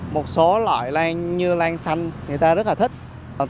một số loại lan như lan xanh người ta rất là thích